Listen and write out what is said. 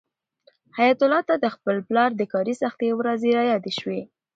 حیات الله ته د خپل پلار د کاري سختۍ ورځې رایادې شوې.